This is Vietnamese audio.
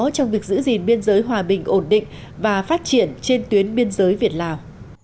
trong việc giữ gìn biên giới hòa bình ổn định và phát triển trên tuyến biên giới việt lào